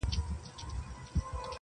دا لومي د شیطان دي- وسوسې دي چي راځي-